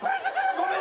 ごめん。